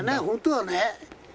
本当はね。